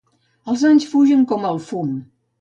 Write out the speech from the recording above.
Els anys fugen com el fum.